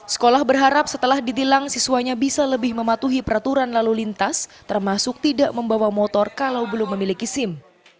sekolah berharap setelah ditilang siswanya bisa lebih mematuhi peraturan lalu lintas termasuk tidak membawa motor kalau belum memiliki sim